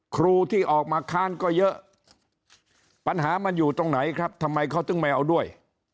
ครูที่ออกมาค้านก็เยอะปัญหามันอยู่ตรงไหนครับทำไมเขาถึงไม่เอาด้วย